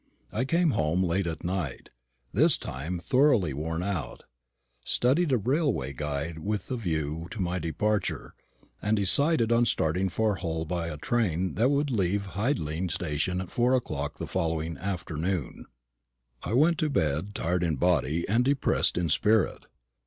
I came home late at night this time thoroughly worn out studied a railway guide with a view to my departure, and decided on starting for Hull by a train that would leave Hidling station at four o'clock on the following afternoon. I went to bed tired in body and depressed in spirit.